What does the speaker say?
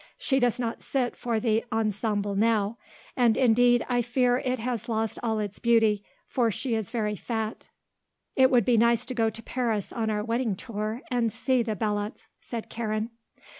She does not sit for the ensemble now, and indeed I fear it has lost all its beauty, for she is very fat. It would be nice to go to Paris on our wedding tour and see the Belots," said Karen.